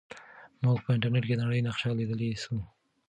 موږ په انټرنیټ کې د نړۍ نقشه لیدلی سو.